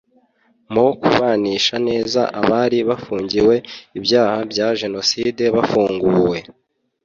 mu kubanisha neza abari bafungiwe ibyaha bya Jenoside bafunguwe